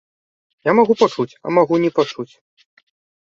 Я магу пачуць, а магу не пачуць.